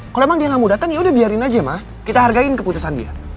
kalau emang dia gak mau datang yaudah biarin aja mah kita hargain keputusan dia